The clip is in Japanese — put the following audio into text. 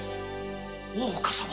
大岡様！